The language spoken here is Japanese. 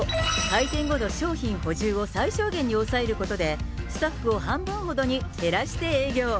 開店後の商品補充を最小限に抑えることで、スタッフを半分ほどに減らして営業。